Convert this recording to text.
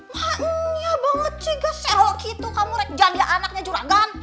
mah iya banget sih ga sehok gitu kamu rejanya anaknya juragan